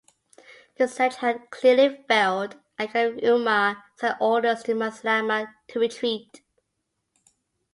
The siege had clearly failed, and Caliph Umar sent orders to Maslama to retreat.